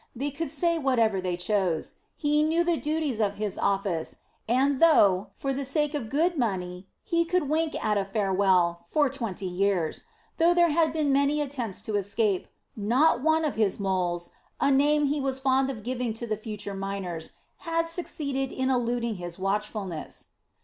They could say whatever they chose; he knew the duties of his office and though, for the sake of good money he could wink at a farewell, for twenty years, though there had been many attempts to escape, not one of his moles a name he was fond of giving to the future miners had succeeded in eluding his watchfulness.